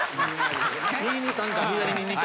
右に３回左に２回。